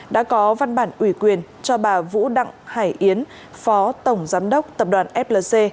đã có văn bản ủy quyền cho bà vũ đặng hải yến phó tổng giám đốc tập đoàn flc